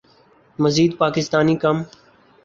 مزید پاکستانی کم